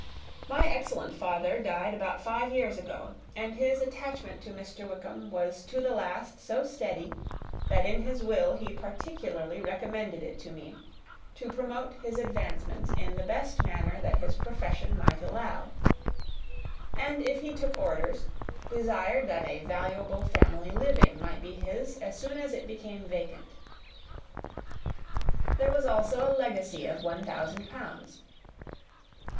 My excellent father died about five years ago; and his attachment to Mr. Wickham was to the last so steady, that in his will he particularly recommended it to me to promote his advancement in the best manner that his profession might allow, and if he took orders, desired that a valuable family living might be his as soon as it became vacant. There was also a legacy of one thousand pounds.